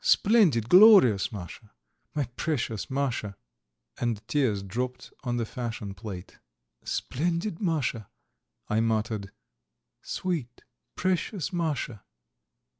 Splendid, glorious, Masha! My precious Masha!" And tears dropped on the fashion plate. "Splendid Masha ..." I muttered; "sweet, precious Masha.